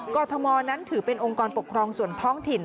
กรทมนั้นถือเป็นองค์กรปกครองส่วนท้องถิ่น